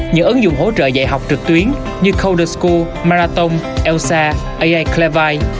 những ứng dụng hỗ trợ dạy học trực tuyến như coder school marathon elsa ai clever